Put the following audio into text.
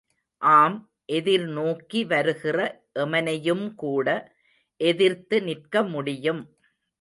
ஆம், எதிர்நோக்கி வருகிற எமனையும்கூட எதிர்த்து நிற்கமுடியும்.